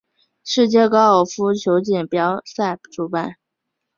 世界高尔夫球锦标赛主办。